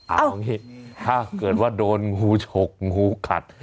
เอางี้ถ้าเกิดว่าโดนงูฉกงูขัด